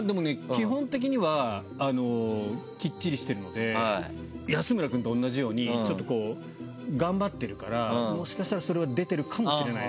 基本的にはきっちりしてるので安村くんと同じようにちょっとこう頑張ってるからもしかしたらそれは出てるかもしれないですね。